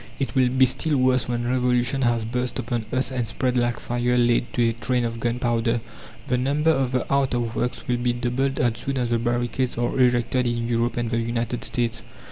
It will be still worse when Revolution has burst upon us and spread like fire laid to a train of gunpowder. The number of the out of works will be doubled as soon as the barricades are erected in Europe and the United States.